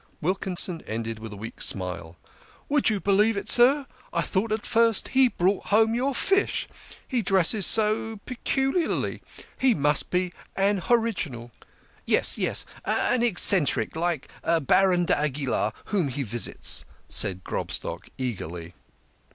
Wilkinson ended with a weak smile :" Would you believe, sir, I thought at first he brought home your fish ! He dresses so peculiarly. He must be an original." "Yes, yes; an eccentric like Baron D'Aguilar, whom he visits," said Grobstock eagerly.